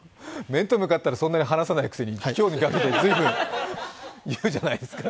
面と向かったら、そんなに話さないくせに、今日に限ってずいぶん言うじゃないですか。